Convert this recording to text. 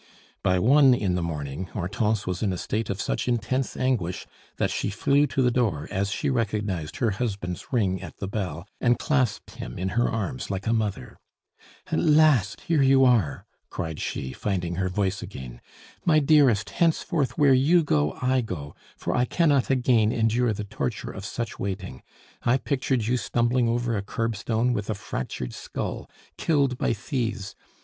By one in the morning Hortense was in a state of such intense anguish, that she flew to the door as she recognized her husband's ring at the bell, and clasped him in her arms like a mother. "At last here you are!" cried she, finding her voice again. "My dearest, henceforth where you go I go, for I cannot again endure the torture of such waiting. I pictured you stumbling over a curbstone, with a fractured skull! Killed by thieves!